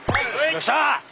よっしゃ！